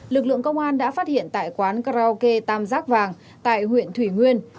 lực lượng công an đã phát hiện tại quán karaoke tam giác vàng tại huyện thủy nguyên